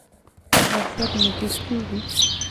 ایا سر مو ګیچ کیږي؟